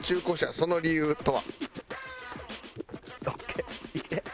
その理由は？」